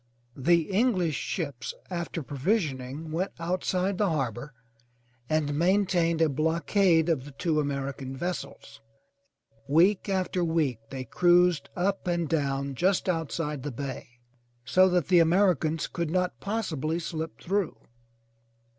The English ships, after provisioning, went outside the har bor and maintained a blockade of the two American vessels. 360 THE TREASURE CHEST Week after week they cruised up and down just outside the bay, so that the Americans could not possibly slip through.